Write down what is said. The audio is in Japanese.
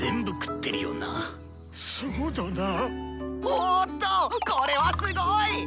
おおっとこれはすごい！